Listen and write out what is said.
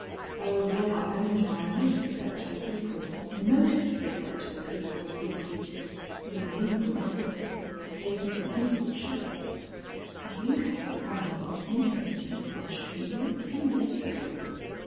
"Oh, they are owned by most respectable people most respectable people," he repeated, with a lingering emphasis that gave me an inward shudder. "I think I had the honor of intimating as much to you a few minutes ago."